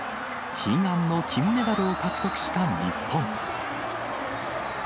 悲願の金メダルを獲得した日本。